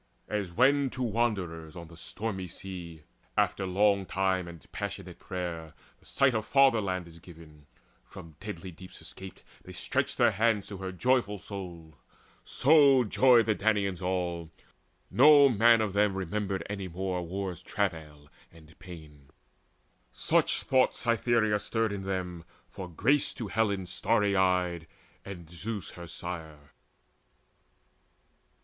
As when to wanderers on a stormy sea, After long time and passion of prayer, the sight Of fatherland is given; from deadly deeps Escaped, they stretch hands to her joyful souled; So joyed the Danaans all, no man of them Remembered any more war's travail and pain. Such thoughts Cytherea stirred in them, for grace To Helen starry eyed, and Zeus her sire.